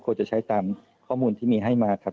จะใช้ตามข้อมูลที่มีให้มาครับ